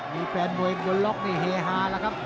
มีแฟนโบเองย้อนล็อกเนี่ยเฮฮาแล้วครับ